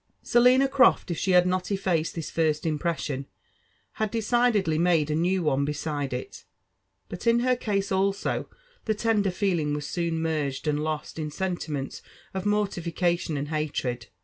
Selina Croft, if she had not effaced this first impression, had decid edly, made a new one beside it ; but in her case also, the tender feelr. ing was soon merged and lost in sentiments of mortification and haired.